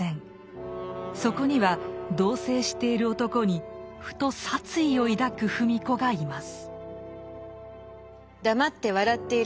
そこには同棲している男にふと殺意を抱く芙美子がいます。